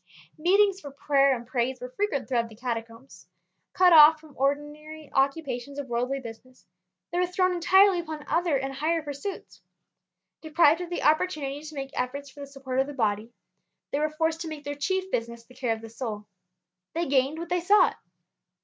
Meetings for prayer and praise were frequent throughout the Catacombs. Cut off from ordinary occupations of worldly business, they were thrown entirely upon other and higher pursuits. Deprived of the opportunity to make efforts for the support of the body, they were forced to make their chief business the care of the soul. They gained what they sought.